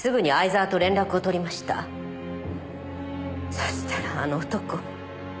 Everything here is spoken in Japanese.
そしたらあの男。